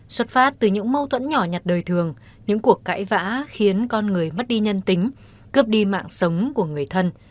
xuất phát từ những mâu thuẫn nhỏ nhặt đời thường những cuộc cãi vã khiến con người mất đi nhân tính cướp đi mạng sống của người thân